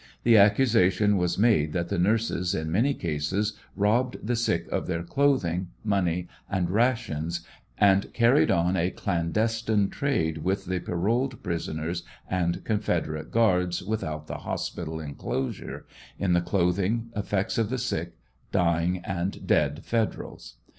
The accusation was made that the nurses in many cases robbed the sick of their clothing, money, and rations, and carried on a clandestine trade with the paroled prisoners and Confederate guards without the hospital en closure, in the clothing, effects of the sick, dying, and dead Federals.